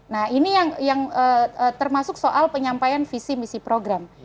nah ini yang termasuk soal penyampaian visi misi program